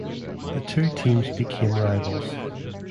The two teams became rivals.